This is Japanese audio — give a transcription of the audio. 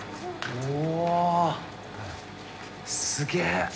おすげえ！